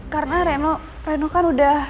karena reno kan udah